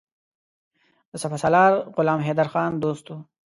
د سپه سالار غلام حیدرخان دوست وو.